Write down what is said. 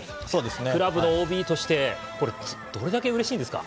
クラブのＯＢとしてどれだけうれしいですか。